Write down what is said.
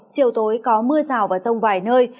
chiều tối có mưa rào và rông vài nơi